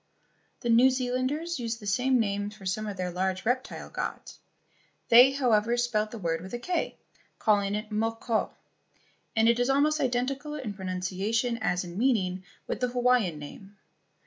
The New Zealanders used the same names for some of their large reptile gods. They, however, spelled the word with a "k," calling it mo ko, and it was almost identical in pronunciation as in meaning with the Hawaiian name.